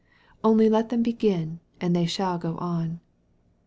Only let them begin, and they shall go on.